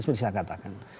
seperti yang saya katakan